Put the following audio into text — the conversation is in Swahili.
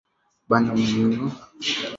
Bana mu kaburiya mama ba mbuji